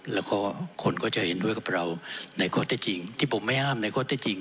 แล้วก็คนก็จะเห็นด้วยกับเราในก็จะจริงที่ผมไม่อ้ามในก็จะจริง